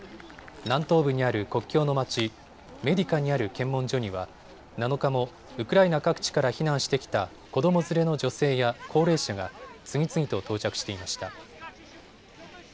南東部にある国境の町、メディカにある検問所には７日もウクライナ各地から避難してきた子ども連れの女性や高齢者が次々と到着していました。